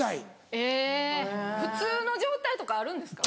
えぇ普通の状態とかあるんですか？